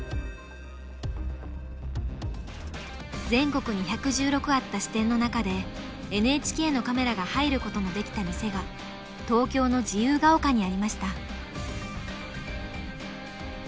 全国に１１６あった支店の中でＮＨＫのカメラが入ることができた店が東京の自由が丘にありました。